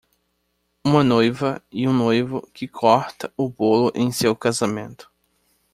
Uma noiva e um noivo que corta o bolo em seu casamento.